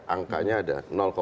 angkanya ada delapan puluh